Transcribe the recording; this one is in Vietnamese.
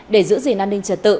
để giữ gìn an ninh trở tự